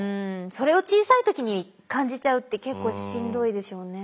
それを小さい時に感じちゃうって結構しんどいでしょうね。